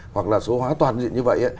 hoặc là số hóa toàn diện như vậy